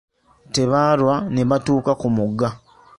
Tebaalwa ne batuuka ku mugga.